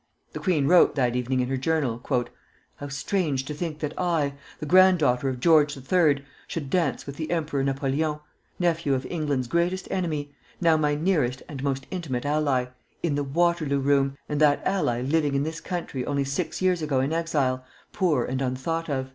The queen wrote that evening in her journal: "How strange to think that I the granddaughter of George III. should dance with the Emperor Napoleon, nephew of England's greatest enemy, now my nearest and most intimate ally, in the Waterloo Room, and that ally living in this country only six years ago in exile, poor and unthought of!"